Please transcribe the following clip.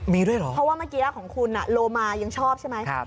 มีด้วยเหรอเพราะว่าเมื่อกี้ของคุณโลมายังชอบใช่ไหม